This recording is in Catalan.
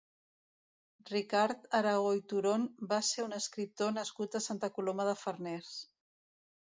Ricard Aragó i Turón va ser un escriptor nascut a Santa Coloma de Farners.